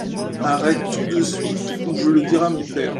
Arrête tout de suite où je le dirai à mon père.